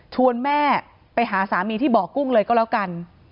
แม่ไปหาสามีที่บ่อกุ้งเลยก็แล้วกัน